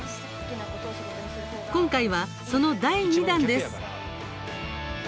今回は、その第２弾です。